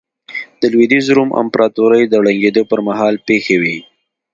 د لوېدیځ روم امپراتورۍ د ړنګېدو پرمهال پېښې وې